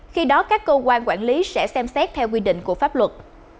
khi đó các cơ quan quản lý sẽ xem xét theo quy định của pháp luật